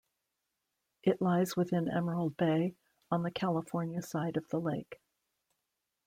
It lies within Emerald Bay, on the California side of the lake.